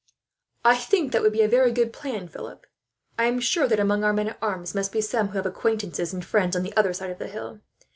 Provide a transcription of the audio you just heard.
"I think that would be a very good plan, Philip. I am sure that among our men at arms must be some who have acquaintances and friends on the other side of the hill.